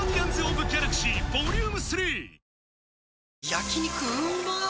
焼肉うまっ